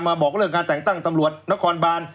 บอกเรื่องการแต่งตั้งตำรวจนครบาน